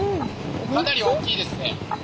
かなり大きいですね。